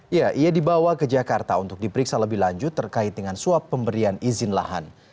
ya ia dibawa ke jakarta untuk diperiksa lebih lanjut terkait dengan suap pemberian izin lahan